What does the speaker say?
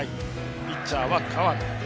ピッチャーは河野。